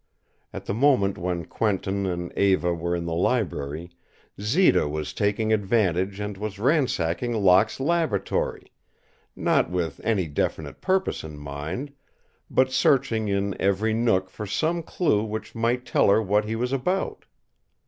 At the moment when Quentin and Eva were in the library, Zita was taking advantage and was ransacking Locke's laboratory, not with any definite purpose in mind, but searching in every nook for some clue which might tell her what he was about.